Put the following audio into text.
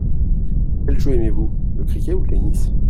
Quel jeu aimez-vous, le cricket ou le tennis ?